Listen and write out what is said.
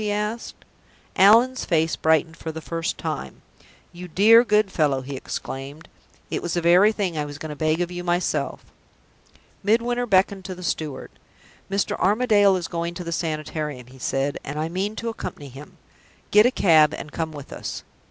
he asked. Allan's face brightened for the first time. "You dear, good fellow!" he exclaimed. "It was the very thing I was going to beg of you myself." Midwinter beckoned to the steward. "Mr. Armadale is going to the Sanitarium," he said, "and I mean to accompany him. Get a cab and come with us."